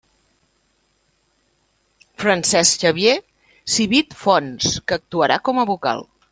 Francesc Xavier Civit Fons, que actuarà com a vocal.